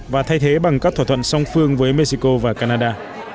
và thay thế bằng các thỏa thuận song phương với mexico và canada